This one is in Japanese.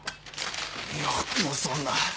よくもそんな。